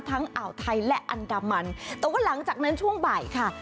อ่าวไทยและอันดามันแต่ว่าหลังจากนั้นช่วงบ่ายค่ะ